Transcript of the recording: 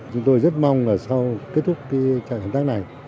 chúng tôi rất mong là sau kết thúc trận hành tác này